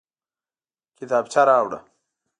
کتابچه راوړه